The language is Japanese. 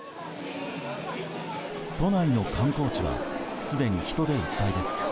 都内の観光地はすでに人でいっぱいです。